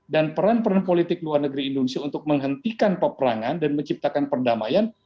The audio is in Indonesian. dan peran peran politik luar negeri indonesia untuk menghentikan peperangan dan menciptakan perdamaian